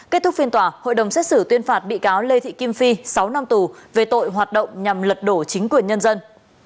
kết thúc phiên tòa hội đồng xét xử tuyên phạt bị cáo lê thị kim phi sáu năm tù về tội hoạt động nhằm lật đổ chính quyền nhân dân